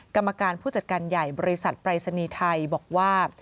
กรรมการผู้จัดการใหญ่บริษัทปรายศนีย์ไทยบอกว่า